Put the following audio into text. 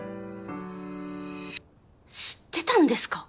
知ってたんですか！？